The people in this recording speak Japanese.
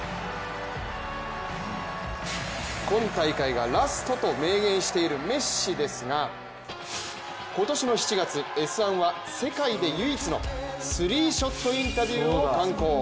今大会がラストと明言しているメッシですが、今年の７月、「Ｓ☆１」は世界で唯一のスリーショットインタビューを敢行。